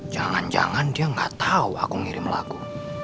jangan jangan dia gak tahu aku ngirim lagu